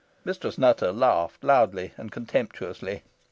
Mistress Nutter laughed loudly and contemptuously.